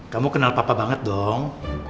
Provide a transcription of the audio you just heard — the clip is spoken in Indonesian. kamu kenal papa banget dong